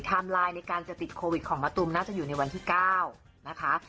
ไลน์ในการจะติดโควิดของมะตูมน่าจะอยู่ในวันที่๙นะคะ